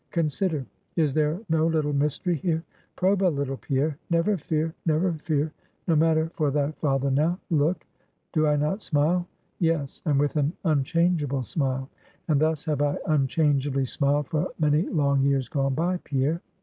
Consider. Is there no little mystery here? Probe a little, Pierre. Never fear, never fear. No matter for thy father now. Look, do I not smile? yes, and with an unchangeable smile; and thus have I unchangeably smiled for many long years gone by, Pierre.